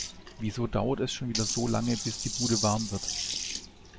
Wieso dauert es schon wieder so lange, bis die Bude warm wird?